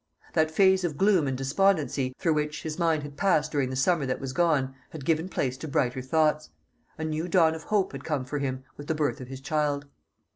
That phase of gloom and despondency, through which, his mind had passed during the summer that was gone, had given place to brighter thoughts. A new dawn of hope had come for him with the birth of his child.